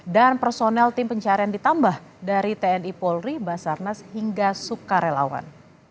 dan personel tim pencarian ditambah dari tni polri basarnas hingga sukarelawan